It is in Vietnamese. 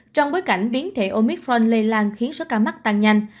trong bối cảnh biến thể omicron lây lan khiến số ca mắc tăng nhanh